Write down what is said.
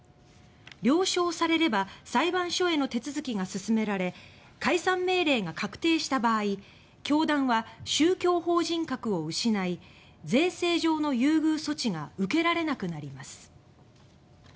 了承されれば裁判所への手続きが進められ解散命令が確定した場合教団は宗教法人格を失い税制上の優遇措置が受けられなくなります。